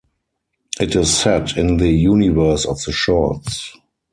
It is set in the universe of the shorts.